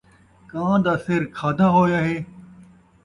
کاں دا سِر کھادا ہویا ہے